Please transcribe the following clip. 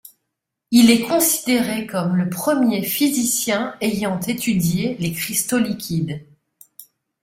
Il est considéré comme le premier physicien ayant étudié les cristaux liquides.